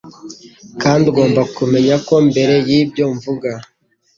kandi ugomba kumenya ko mbere yibyo mvuga